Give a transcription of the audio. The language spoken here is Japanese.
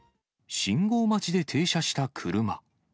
信号待ちで停車した車。